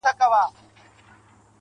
غټي سترگي شينكى خال د چا د ياد